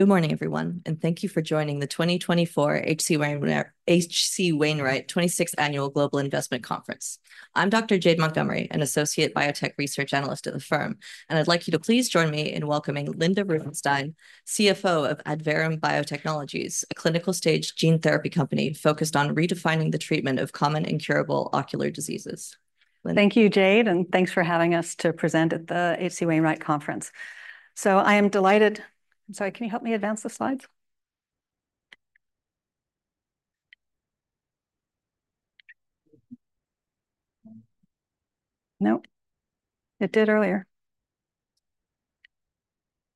Good morning, everyone, and thank you for joining the 2024 H.C. Wainwright 26th Annual Global Investment Conference. I'm Dr. Jade Montgomery, an associate biotech research analyst at the firm, and I'd like you to please join me in welcoming Linda Rubinstein, CFO of Adverum Biotechnologies, a clinical-stage gene therapy company focused on redefining the treatment of common incurable ocular diseases. Linda? Thank you, Jade, and thanks for having us to present at the H.C. Wainwright Conference. So I am delighted. I'm sorry, can you help me advance the slides? Nope. It did earlier.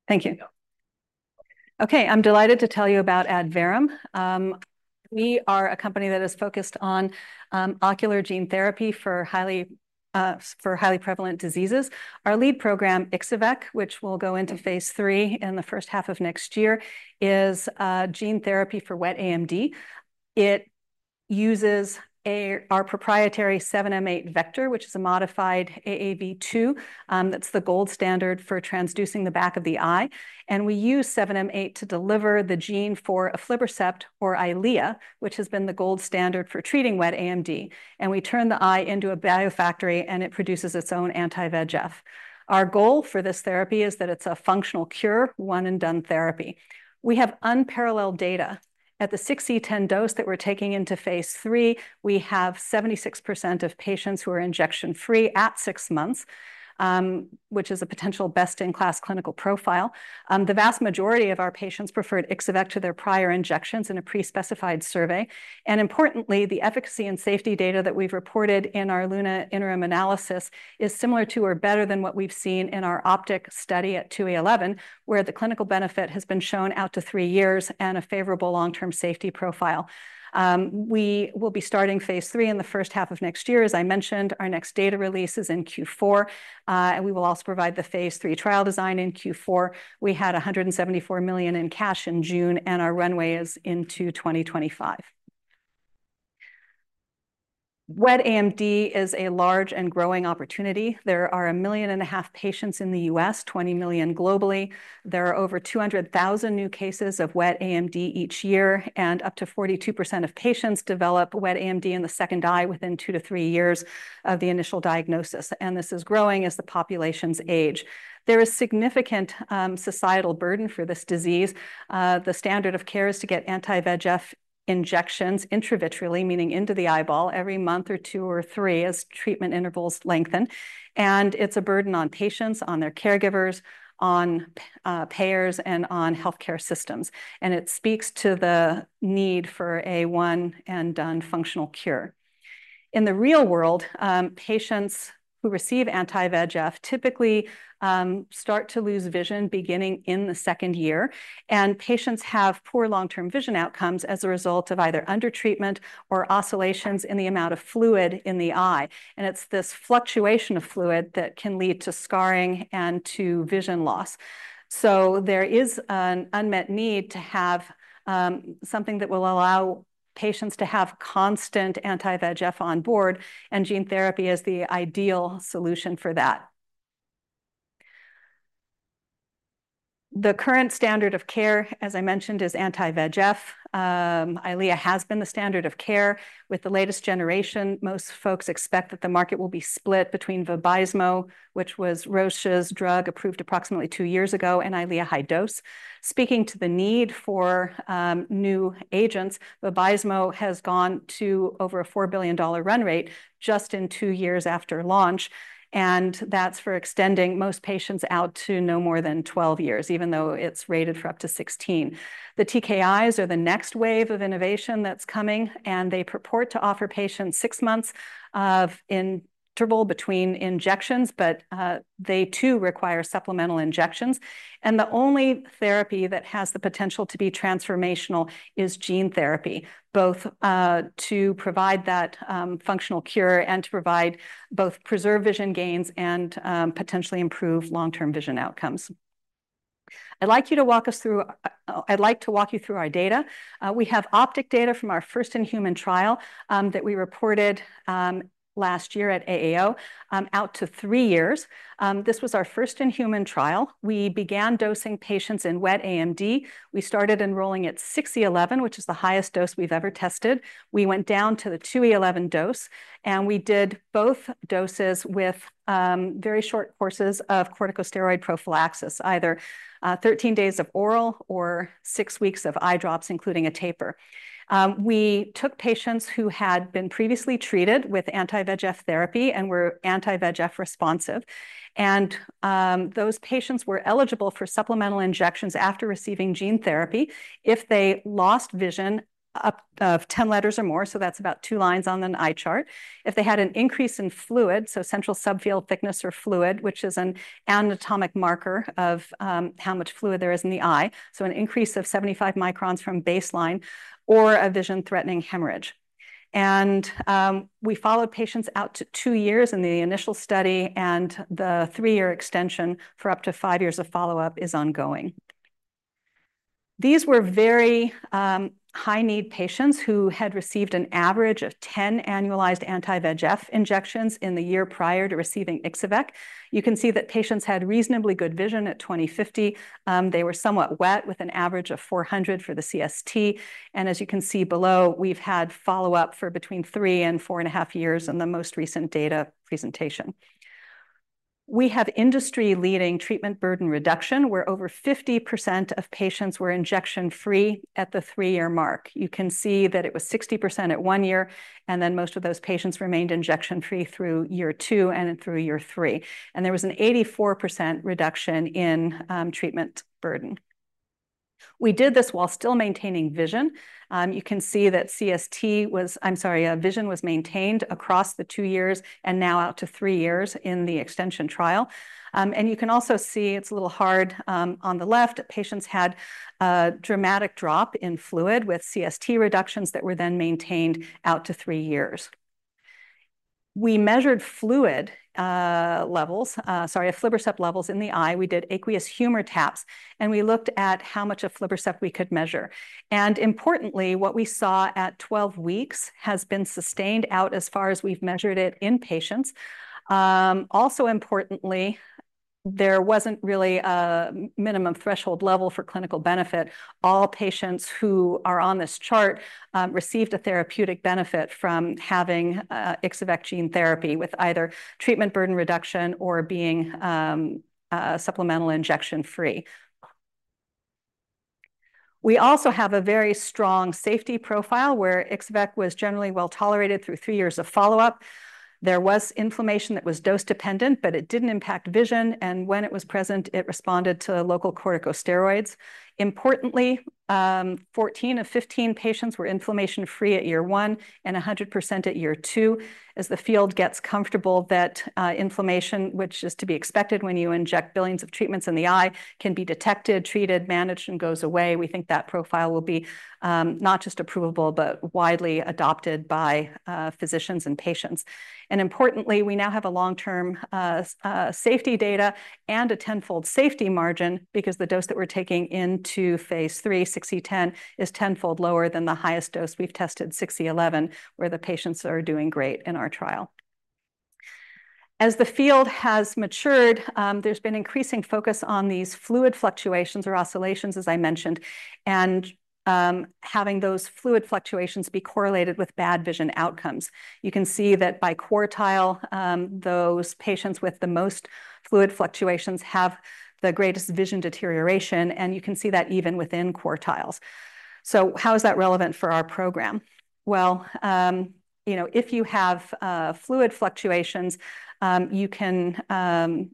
Thank you. you're welcome Okay, I'm delighted to tell you about Adverum. We are a company that is focused on ocular gene therapy for highly prevalent diseases. Our lead program, Ixo-Vec, which will go into phase III in the first half of next year, is a gene therapy for wet AMD. It uses our proprietary 7m8 vector, which is a modified AAV2. That's the gold standard for transducing the back of the eye, and we use 7m8 to deliver the gene for aflibercept or Eylea, which has been the gold standard for treating wet AMD, and we turn the eye into a biofactory, and it produces its own anti-VEGF. Our goal for this therapy is that it's a functional cure, one-and-done therapy. We have unparalleled data. At the 6E10 dose that we're taking into phase III, we have 76% of patients who are injection-free at six months, which is a potential best-in-class clinical profile. The vast majority of our patients preferred Ixo-Vec to their prior injections in a pre-specified survey, and importantly, the efficacy and safety data that we've reported in our LUNA interim analysis is similar to or better than what we've seen in our OPTIC study at 2E11, where the clinical benefit has been shown out to three years and a favorable long-term safety profile. We will be starting phase III in the first half of next year. As I mentioned, our next data release is in Q4, and we will also provide the phase III trial design in Q4. We had $174 million in cash in June, and our runway is into 2025. Wet AMD is a large and growing opportunity. There are 1.5 million patients in the US, 20 million globally. There are over 200,000 new cases of wet AMD each year, and up to 42% of patients develop wet AMD in the second eye within 2 to 3 years of the initial diagnosis, and this is growing as the populations age. There is significant societal burden for this disease. The standard of care is to get anti-VEGF injections intravitreally, meaning into the eyeball, every month or two or three, as treatment intervals lengthen. And it's a burden on patients, on their caregivers, on payers, and on healthcare systems, and it speaks to the need for a one-and-done functional cure. In the real world, patients who receive anti-VEGF typically start to lose vision beginning in the second year, and patients have poor long-term vision outcomes as a result of either undertreatment or oscillations in the amount of fluid in the eye, and it's this fluctuation of fluid that can lead to scarring and to vision loss. So, there is an unmet need to have something that will allow patients to have constant anti-VEGF on board, and gene therapy is the ideal solution for that. The current standard of care, as I mentioned, is anti-VEGF. Eylea has been the standard of care. With the latest generation, most folks expect that the market will be split between Vabysmo, which was Roche's drug, approved approximately two years ago, and Eylea high dose. Speaking to the need for new agents, Vabysmo has gone to over a $4 billion run rate just in two years after launch, and that's for extending most patients out to no more than 12 weeks, even though it's rated for up to 16 weeks. The TKIs are the next wave of innovation that's coming, and they purport to offer patients six months of interval between injections, but they too require supplemental injections. The only therapy that has the potential to be transformational is gene therapy, both to provide that functional cure and to provide both preserve vision gains and potentially improve long-term vision outcomes. I'd like to walk you through our data. We have OPTIC data from our first-in-human trial that we reported last year at AAO out to 3 years. This was our first-in-human trial. We began dosing patients in wet AMD. We started enrolling at 6E11, which is the highest dose we've ever tested. We went down to the 2E11 dose, and we did both doses with very short courses of corticosteroid prophylaxis, either 13 days of oral or six weeks of eye drops, including a taper. We took patients who had been previously treated with anti-VEGF therapy and were anti-VEGF responsive, and those patients were eligible for supplemental injections after receiving gene therapy if they lost vision of 10 letters or more, so that's about two lines on an eye chart. If they had an increase in fluid, so central subfield thickness or fluid, which is an anatomic marker of how much fluid there is in the eye, so an increase of 75 microns from baseline, or a vision-threatening hemorrhage, and we followed patients out to two years in the initial study, and the three-year extension for up to five years of follow-up is ongoing. These were very high-need patients who had received an average of 10 annualized anti-VEGF injections in the year prior to receiving Ixo-vec. You can see that patients had reasonably good vision at 20/50. They were somewhat wet, with an average of 400 for the CST, and as you can see below, we've had follow-up for between 3 and 4.5 years in the most recent data presentation. We have industry-leading treatment burden reduction, where over 50% of patients were injection-free at the three-year mark. You can see that it was 60% at one year, and then most of those patients remained injection-free through year two and through year three, and there was an 84% reduction in treatment burden. We did this while still maintaining vision. You can see that vision was maintained across the two years and now out to three years in the extension trial. And you can also see, it's a little hard on the left, patients had a dramatic drop in fluid with CST reductions that were then maintained out to three years. We measured fluid levels, aflibercept levels in the eye. We did aqueous humor taps, and we looked at how much aflibercept we could measure. Importantly, what we saw at twelve weeks has been sustained out as far as we've measured it in patients. Also importantly, there wasn't really a minimum threshold level for clinical benefit. All patients who are on this chart received a therapeutic benefit from having Ixo-Vec gene therapy, with either treatment burden reduction or being supplemental injection-free. We also have a very strong safety profile, where Ixo-Vec was generally well-tolerated through three years of follow-up. There was inflammation that was dose-dependent, but it didn't impact vision, and when it was present, it responded to local corticosteroids. Importantly, 14 of 15 patients were inflammation-free at year one and 100% at year two. As the field gets comfortable that inflammation, which is to be expected when you inject billions of treatments in the eye, can be detected, treated, managed, and goes away, we think that profile will be not just approvable, but widely adopted by physicians and patients. Importantly, we now have a long-term safety data and a tenfold safety margin because the dose that we're taking into phase III, 6E10, is tenfold lower than the highest dose we've tested, 6e11, where the patients are doing great in our trial. As the field has matured, there's been increasing focus on these fluid fluctuations or oscillations, as I mentioned, and, having those fluid fluctuations be correlated with bad vision outcomes. You can see that by quartile, those patients with the most fluid fluctuations have the greatest vision deterioration, and you can see that even within quartiles. So how is that relevant for our program? Well, you know, if you have, fluid fluctuations, you can,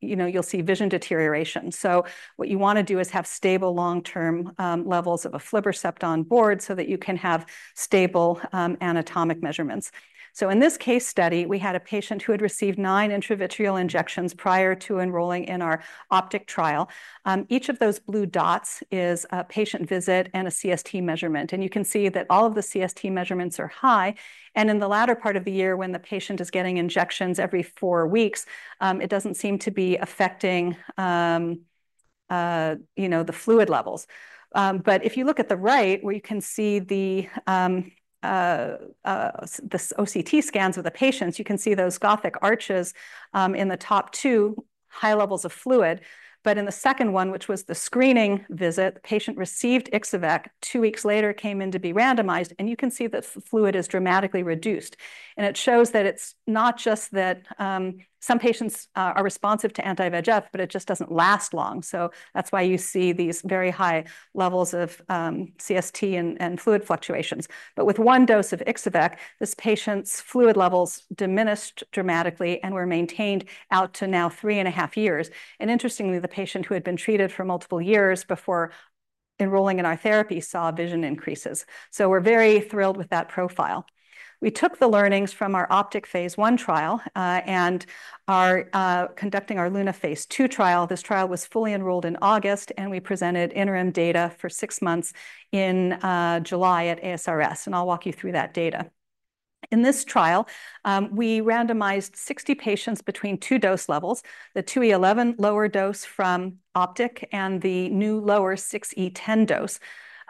you know, you'll see vision deterioration. So what you want to do is have stable long-term, levels of aflibercept on board so that you can have stable, anatomic measurements. So in this case study, we had a patient who had received nine intravitreal injections prior to enrolling in our optic trial. Each of those blue dots is a patient visit and a CST measurement, and you can see that all of the CST measurements are high, and in the latter part of the year, when the patient is getting injections every four weeks, it doesn't seem to be affecting, you know, the fluid levels. But if you look at the right, where you can see the OCT scans of the patients, you can see those Gothic arches in the top two high levels of fluid. But in the second one, which was the screening visit, the patient received Ixo-Vec, two weeks later, came in to be randomized, and you can see the fluid is dramatically reduced. It shows that it's not just that some patients are responsive to anti-VEGF, but it just doesn't last long. So that's why you see these very high levels of CST and fluid fluctuations, but with one dose of Ixo-Vec, this patient's fluid levels diminished dramatically and were maintained out to now three and a half years, and interestingly, the patient who had been treated for multiple years before enrolling in our therapy saw vision increases, so we're very thrilled with that profile. We took the learnings from our OPTIC phase I trial and are conducting our LUNA phase II trial. This trial was fully enrolled in August, and we presented interim data for six months in July at ASRS, and I'll walk you through that data. In this trial, we randomized 60 patients between two dose levels: the 2e11 lower dose from OPTIC and the new lower 6E10 dose.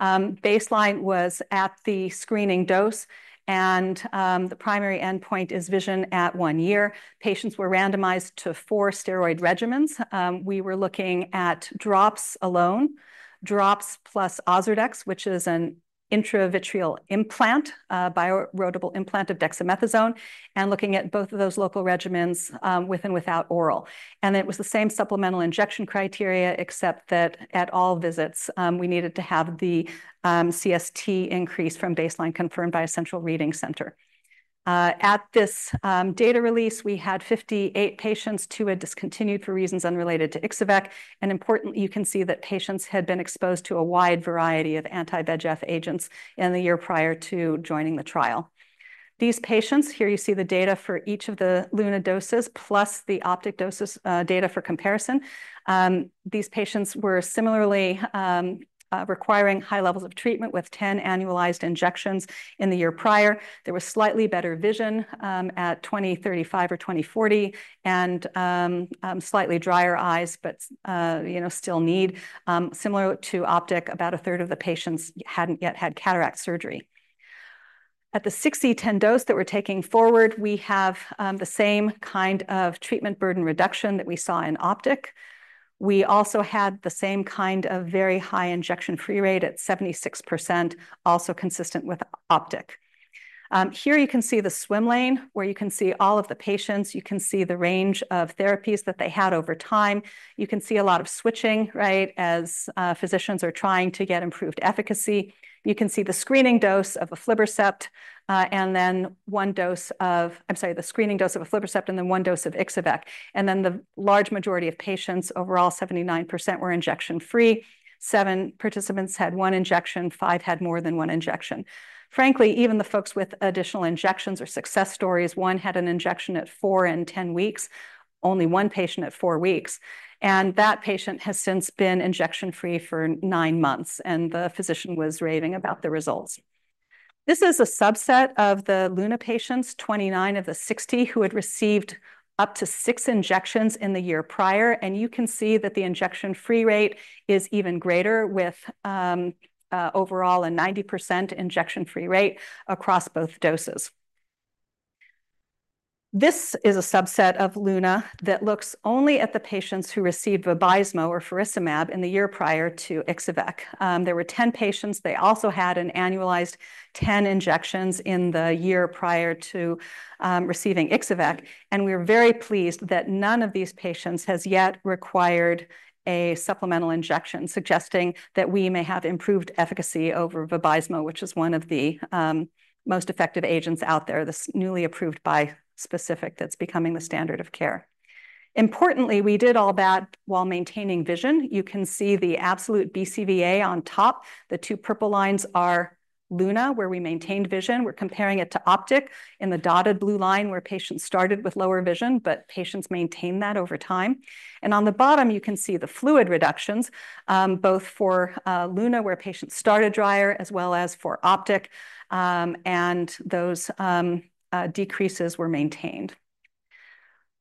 Baseline was at the screening dose, and the primary endpoint is vision at one year. Patients were randomized to four steroid regimens. We were looking at drops alone, drops plus Ozurdex, which is an intravitreal implant, a bio-erodible implant of dexamethasone, and looking at both of those local regimens, with and without oral. It was the same supplemental injection criteria, except that at all visits, we needed to have the CST increase from baseline confirmed by a central reading center. At this data release, we had fifty-eight patients. Two had discontinued for reasons unrelated to Ixo-Vec, and importantly, you can see that patients had been exposed to a wide variety of anti-VEGF agents in the year prior to joining the trial. These patients, here you see the data for each of the LUNA doses, plus the OPTIC doses, data for comparison. These patients were similarly, requiring high levels of treatment, with 10 annualized injections in the year prior. There was slightly better vision, at twenty thirty-five or twenty forty, and, slightly drier eyes, but, you know, still need. Similar to OPTIC, about a third of the patients hadn't yet had cataract surgery... at the 6E10 dose that we're taking forward, we have, the same kind of treatment burden reduction that we saw in OPTIC. We also had the same kind of very high injection-free rate at 76%, also consistent with OPTIC. Here you can see the swim lane, where you can see all of the patients. You can see the range of therapies that they had over time. You can see a lot of switching, right, as physicians are trying to get improved efficacy. You can see the screening dose of aflibercept and then one dose of Ixo-Vec, and then the large majority of patients, overall, 79% were injection free. Seven participants had one injection, five had more than one injection. Frankly, even the folks with additional injections are success stories. One had an injection at four and 10 weeks, only one patient at four weeks, and that patient has since been injection free for nine months, and the physician was raving about the results. This is a subset of the LUNA patients, 29 of the 60, who had received up to six injections in the year prior, and you can see that the injection-free rate is even greater with overall a 90% injection-free rate across both doses. This is a subset of LUNA that looks only at the patients who received Vabysmo or faricimab in the year prior to Ixo-Vec. There were 10 patients. They also had an annualized 10 injections in the year prior to receiving Ixo-Vec, and we were very pleased that none of these patients has yet required a supplemental injection, suggesting that we may have improved efficacy over Vabysmo, which is one of the most effective agents out there, this newly approved bispecific that's becoming the standard of care. Importantly, we did all that while maintaining vision. You can see the absolute BCVA on top. The two purple lines are LUNA, where we maintained vision. We're comparing it to OPTIC in the dotted blue line, where patients started with lower vision, but patients maintained that over time, and on the bottom, you can see the fluid reductions, both for LUNA, where patients started drier, as well as for OPTIC, and those decreases were maintained.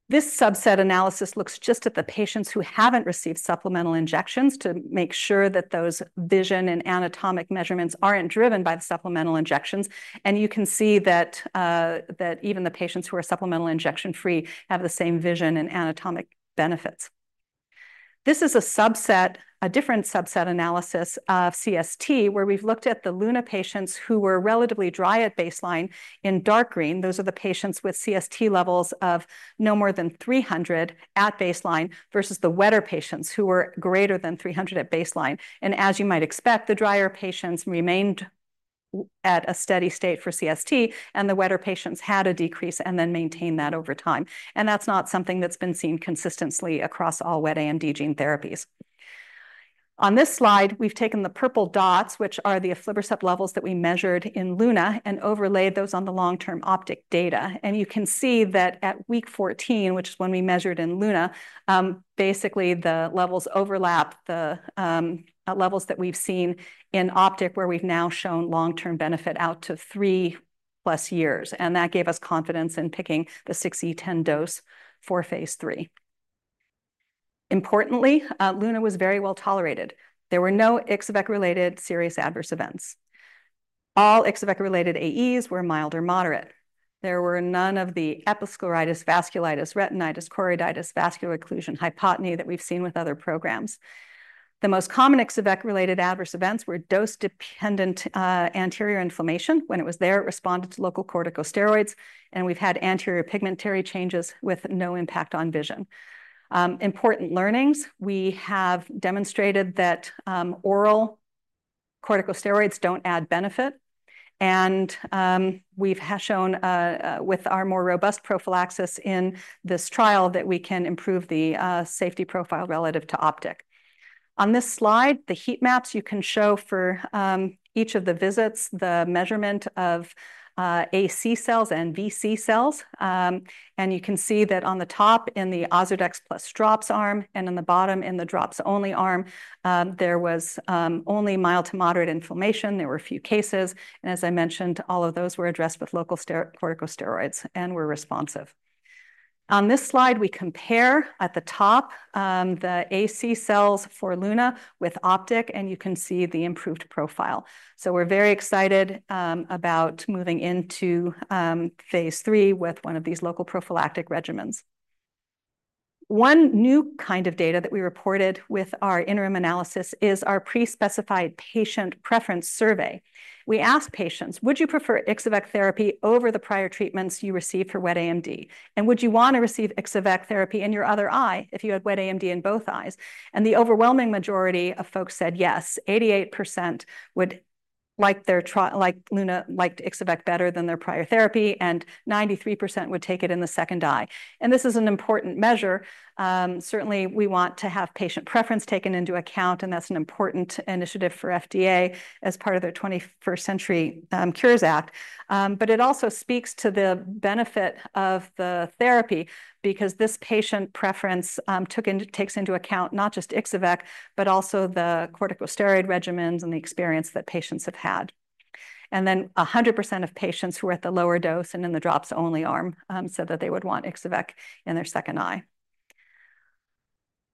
This subset analysis looks just at the patients who haven't received supplemental injections to make sure that those vision and anatomic measurements aren't driven by the supplemental injections. And you can see that even the patients who are supplemental injection free have the same vision and anatomic benefits. This is a subset, a different subset analysis of CST, where we've looked at the LUNA patients who were relatively dry at baseline in dark green. Those are the patients with CST levels of no more than 300 at baseline versus the wetter patients, who were greater than 300 at baseline. As you might expect, the drier patients remained at a steady state for CST, and the wetter patients had a decrease and then maintained that over time. That's not something that's been seen consistently across all wet AMD gene therapies. On this slide, we've taken the purple dots, which are the aflibercept levels that we measured in LUNA, and overlaid those on the long-term OPTIC data. You can see that at week 14, which is when we measured in LUNA, basically, the levels overlap the levels that we've seen in OPTIC, where we've now shown long-term benefit out to three-plus years, and that gave us confidence in picking the 6E10 dose for phase III. Importantly, LUNA was very well tolerated. There were no Ixo-Vec-related serious adverse events. All Ixo-Vec-related AEs were mild or moderate. There were none of the episcleritis, vasculitis, retinitis, choroiditis, vascular occlusion, hypotony that we've seen with other programs. The most common Ixo-Vec-related adverse events were dose-dependent, anterior inflammation. When it was there, it responded to local corticosteroids, and we've had anterior pigmentary changes with no impact on vision. Important learnings: we have demonstrated that, oral corticosteroids don't add benefit, and, we've shown, with our more robust prophylaxis in this trial that we can improve the, safety profile relative to OPTIC. On this slide, the heat maps you can show for, each of the visits, the measurement of, AC cells and VC cells. And you can see that on the top, in the Ozurdex plus drops arm, and on the bottom, in the drops-only arm, there was only mild to moderate inflammation. There were a few cases, and as I mentioned, all of those were addressed with local corticosteroids and were responsive. On this slide, we compare at the top, the AC cells for LUNA with OPTIC, and you can see the improved profile. So we're very excited about moving into phase III with one of these local prophylactic regimens. One new kind of data that we reported with our interim analysis is our pre-specified patient preference survey. We asked patients, "Would you prefer Ixo-Vec therapy over the prior treatments you received for wet AMD? Would you want to receive Ixo-Vec therapy in your other eye if you had wet AMD in both eyes?" The overwhelming majority of folks said yes. 88% would like their—like LUNA, liked Ixo-Vec better than their prior therapy, and 93% would take it in the second eye. This is an important measure. Certainly, we want to have patient preference taken into account, and that's an important initiative for FDA as part of their 21st Century Cures Act. But it also speaks to the benefit of the therapy because this patient preference takes into account not just Ixo-Vec, but also the corticosteroid regimens and the experience that patients have had. And then 100% of patients who were at the lower dose and in the drops-only arm said that they would want Ixo-Vec in their second eye.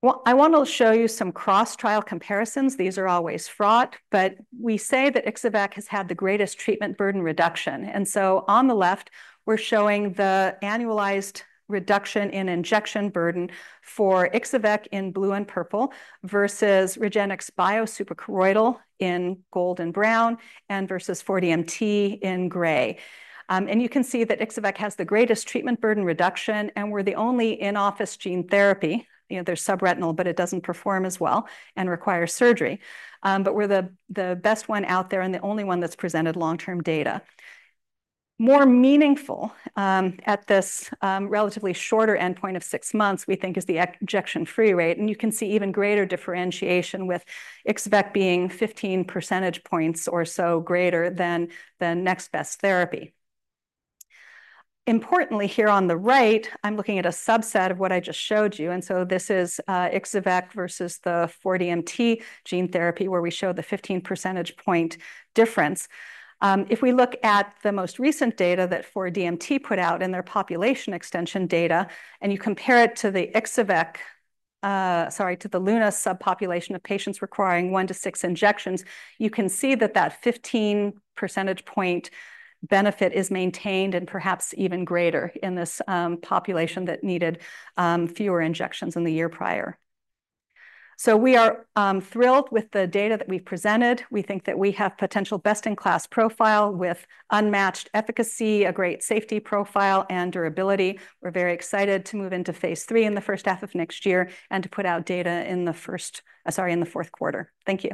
Well, I want to show you some cross-trial comparisons. These are always fraught, but we say that Ixo-Vec has had the greatest treatment burden reduction. And so on the left, we're showing the annualized reduction in injection burden for Ixo-Vec in blue and purple versus REGENXBIO suprachoroidal in gold and brown and versus 4DMT in gray. And you can see that Ixo-Vec has the greatest treatment burden reduction, and we're the only in-office gene therapy. You know, there's subretinal, but it doesn't perform as well and requires surgery. But we're the best one out there and the only one that's presented long-term data. More meaningful, at this, relatively shorter endpoint of six months, we think, is the injection-free rate, and you can see even greater differentiation with Ixo-Vec being 15 percentage points or so greater than the next best therapy. Importantly, here on the right, I'm looking at a subset of what I just showed you, and so this is, Ixo-Vec versus the 4DMT gene therapy, where we show the 15 percentage point difference. If we look at the most recent data that 4DMT put out in their population extension data, and you compare it to the Ixo-Vec, sorry, to the LUNA subpopulation of patients requiring one to six injections, you can see that that 15 percentage point benefit is maintained and perhaps even greater in this, population that needed, fewer injections in the year prior. We are thrilled with the data that we've presented. We think that we have potential best-in-class profile with unmatched efficacy, a great safety profile, and durability. We're very excited to move into phase III in the first half of next year and to put out data in the fourth quarter. Thank you.